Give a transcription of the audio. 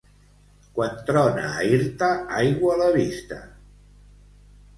Quan trona a Irta, aigua a la vista.